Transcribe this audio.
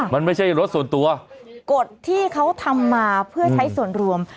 มันไม่ใช่รถส่วนตัวกฎที่เขาทำมาเพื่อใช้ส่วนรวม